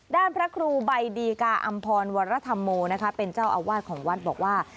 พระครูใบดีกาอำพรวรธรรมโมนะคะเป็นเจ้าอาวาสของวัดบอกว่า